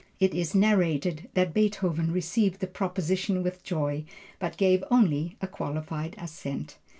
It is narrated that Beethoven received the proposition with joy, but gave only a qualified assent.